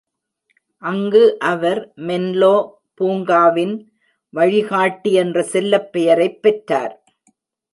அங்கு அவர் மென்லோ பூங்காவின் வழிகாட்டி என்ற செல்லப்பெயரைப் பெற்றார்.